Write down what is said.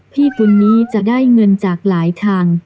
พี่คนนี้จะได้เงินจากหลายทาง